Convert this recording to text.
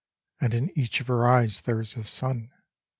And in each of her eyes there is a sun.